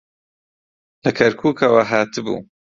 لە کەرکووکەوە هاتبوو.